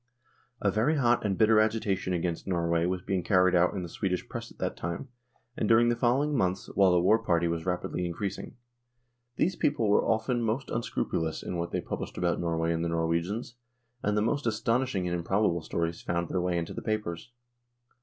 A very hot and bitter agitation against Norway was being carried on in the Swedish Press at that time and during the following months, while the war 1 Mr Hedin has since died (Sept. 2oth). 136 NORWAY AND THE UNION WITH SWEDEN party was rapidly increasing. These people were often most unscrupulous in what they published about Norway and the Norwegians, and the most astonish ing and improbable stories found their way into the papers.